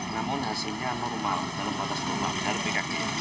namun hasilnya normal dalam batas dari pkg